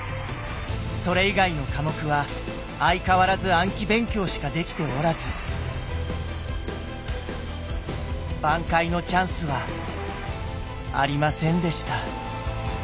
それ以外の科目は相変わらず暗記勉強しかできておらず挽回のチャンスはありませんでした。